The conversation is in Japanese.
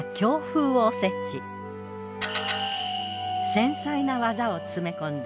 繊細な技を詰め込んだ弐